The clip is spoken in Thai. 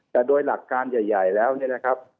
แต่โดยหลักการใหญ่แล้วเนี่ยนะครับ